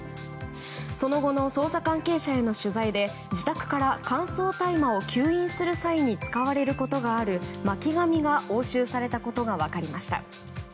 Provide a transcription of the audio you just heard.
その後の捜査関係者への取材で自宅から乾燥大麻を吸引する際に使われることがある巻紙が押収されたことが分かりました。